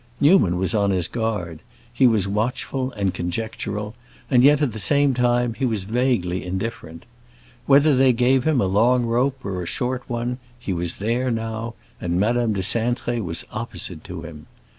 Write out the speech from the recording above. Newman was on his guard; he was watchful and conjectural; and yet at the same time he was vaguely indifferent. Whether they gave him a long rope or a short one he was there now, and Madame de Cintré was opposite to him.